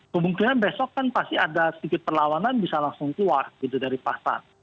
kemungkinan besok kan pasti ada sedikit perlawanan bisa langsung keluar gitu dari pasar